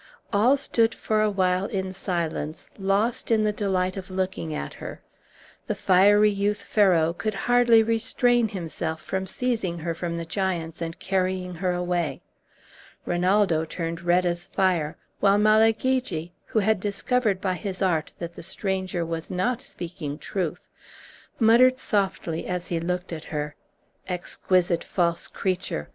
All stood for a while in silence, lost in the delight of looking at her. The fiery youth Ferrau could hardly restrain himself from seizing her from the giants and carrying her away; Rinaldo turned as red as fire, while Malagigi, who had discovered by his art that the stranger was not speaking truth, muttered softly, as he looked at her, "Exquisite false creature!